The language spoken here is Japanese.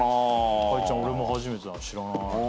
カイちゃん俺も初めてだな知らない。